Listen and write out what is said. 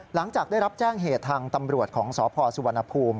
หลังจากได้รับแจ้งเหตุทางตำรวจของสพสุวรรณภูมิ